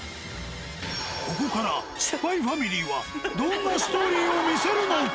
ここから、すっぱいファミリーはどんなストーリーを見せるのか。